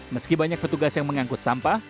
meski banyak petugas yang mengangkut sampah